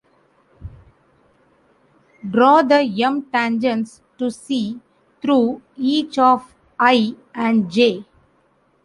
Draw the "m" tangents to "C" through each of "I" and "J".